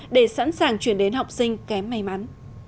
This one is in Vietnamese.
để sẵn sàng chuyển đến học sinh kém may mắn